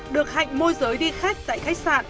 được hạnh môi giới đi khách tại khách sạn